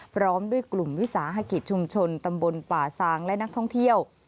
พร้อมด้วยกลุ่มวิสาหกิจชุมชนตำบลป่าซางและนักท่องเที่ยว